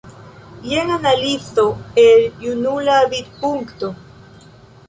Jen analizo el junula vidpunkto.